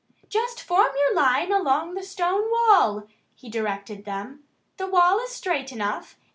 "Just form your line along the stone wall" he directed them. "The wall is straight enough.